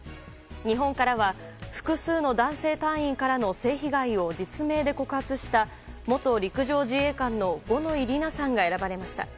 日本からは複数の男性隊員からの性被害を実名で告発した元陸上自衛官の五ノ井里奈さんが選ばれました。